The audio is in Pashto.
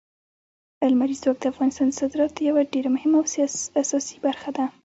لمریز ځواک د افغانستان د صادراتو یوه ډېره مهمه او اساسي برخه ده.